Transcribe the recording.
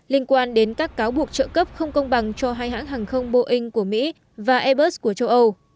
liên quan đến các cáo buộc trợ cấp không công bằng cho hai hãng hàng không boeing của mỹ và airbus của châu âu